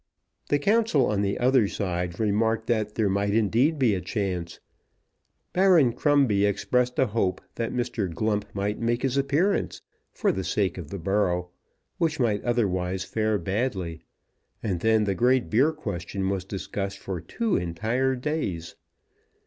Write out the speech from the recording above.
The counsel on the other side remarked that there might, indeed, be a chance. Baron Crumbie expressed a hope that Mr. Glump might make his appearance, for the sake of the borough, which might otherwise fare badly; and then the great beer question was discussed for two entire days.